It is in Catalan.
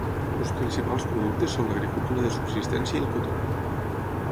Els principals productes són l'agricultura de subsistència i el cotó.